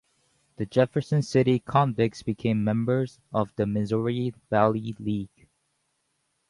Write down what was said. The Jefferson City Convicts became members of the Missouri Valley League.